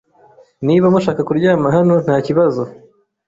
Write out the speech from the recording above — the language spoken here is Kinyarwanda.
Niba mushaka kuryama hano, ntakibazo.